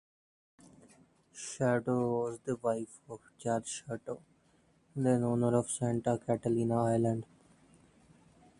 Shatto was the wife of George Shatto, then-owner of Santa Catalina Island.